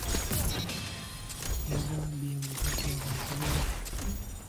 Yagambye mbu kati abantu beerufu.